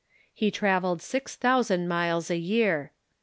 He trav elled six thousand miles a year.